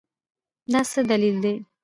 دا څه دلیل دی ؟